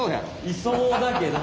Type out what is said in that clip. いそうだけど。